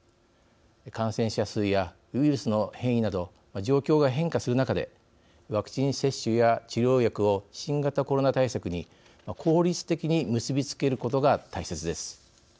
感染者数やウイルスの変異など状況が変化する中でワクチン接種や治療薬を新型コロナ対策に効率的に結び付けることが大切です。